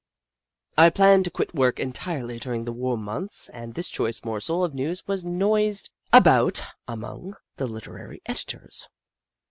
I planned to quit work entirely during the warm months, and this choice morsel of news was noised about among the literary editors.